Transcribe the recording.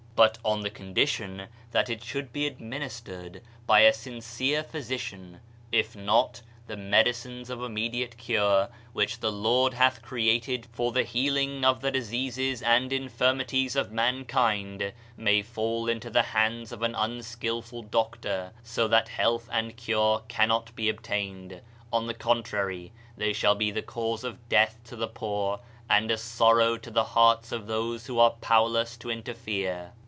But on the condition that it should be administered by a sincere physician; if not, the medicines of immediate cure which the Lord hath created for the healing of the diseases and infirmities of man Ill Digitized by Google MYSTERIOUS FORCES kiad may fall into the hands of an unskillful doc tor, so that health and cure cannot be attained; on the contrary, they shall be the cause of death to the poor, and a sorrow to the hearts of those who are powerless to interfere.